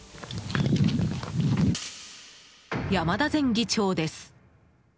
山田前議長です。